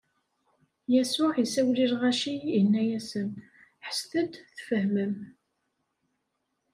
Yasuɛ isawel i lɣaci, inna-asen: Ḥesset-d tfehmem!